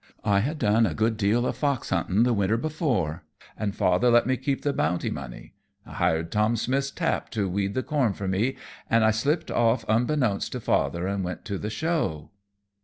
I had done a good deal of fox hunting the winter before, and father let me keep the bounty money. I hired Tom Smith's Tap to weed the corn for me, an' I slipped off unbeknownst to father an' went to the show."